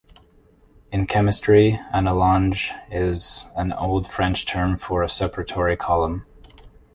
In chemistry an allonge is an old French term for a separatory column.